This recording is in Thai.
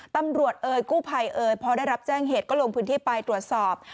เอ่ยกู้ภัยเอ่ยพอได้รับแจ้งเหตุก็ลงพื้นที่ไปตรวจสอบ